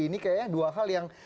ini kayaknya dua hal yang